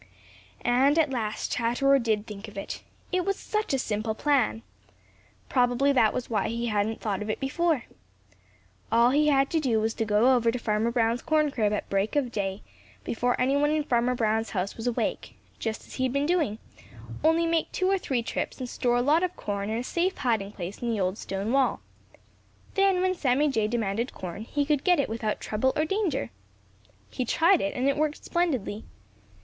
And at last Chatterer did think of it. It was such a simple plan! Probably that was why he hadn't thought of it before. All he had to do was to go over to Farmer Brown's corn crib at break of day, before any one in Farmer Brown's house was awake, just as he had been doing, only make two or three trips and store a lot of corn in a safe hiding place in the old stone wall. Then, when Sammy Jay demanded corn, he could get it without trouble or danger. He tried it, and it worked splendidly.